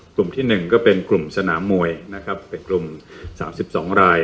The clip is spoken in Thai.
กลุ่มที่๑ก็เป็นกลุ่มสนามมวยนะครับเป็นกลุ่ม๓๒ราย